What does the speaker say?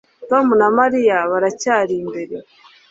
Tom na Mariya baracyari imbere